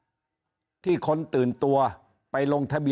ยิ่งอาจจะมีคนเกณฑ์ไปลงเลือกตั้งล่วงหน้ากันเยอะไปหมดแบบนี้